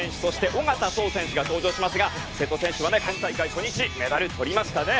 小方颯選手が登場しますが瀬戸選手、今大会土日でメダルとりましたね。